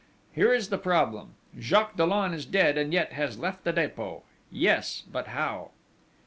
Here is the problem: Jacques Dollon is dead, and yet has left the Dépôt! Yes, but how?"